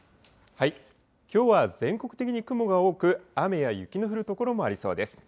きょうは全国的に雲が多く、雨や雪の降る所もありそうです。